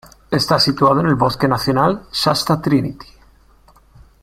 Está situado en el bosque nacional Shasta-Trinity.